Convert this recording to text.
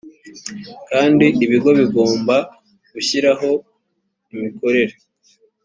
kandi ibigo bigomba gushyiraho imikorere